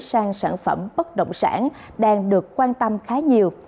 sang sản phẩm bất động sản đang được quan tâm khá nhiều